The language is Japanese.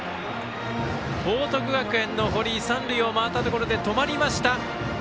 報徳学園の堀三塁を回ったところで止まりました。